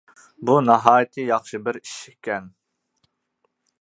بۇ ناھايىتى ياخشى بىر ئىش ئىكەن.